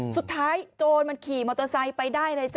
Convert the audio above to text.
สุดท้ายโจรมันขี่มอเตอร์ไซค์ไปได้เลยจ้ะ